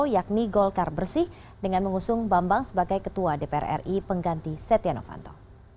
yakni golkar bersih dengan mengusung bambang sebagai ketua dpr ri pengganti setia novanto